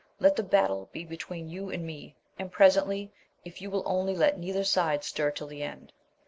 Let the battle be between you and me, and presently, if you will, only let neither side stir till the end.